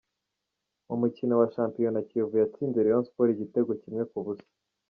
Mu mukino wa shampiyona Kiyovu yatsinze Rayon Sport igitego kimwe ku busa.